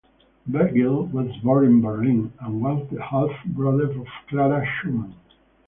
Bargiel was born in Berlin, and was the half brother of Clara Schumann.